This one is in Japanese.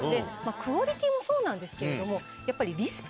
クオリティーもそうなんですけれどもやっぱり。